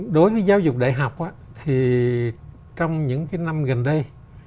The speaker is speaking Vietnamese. đối với giáo dục đại học thì trong những năm gần đây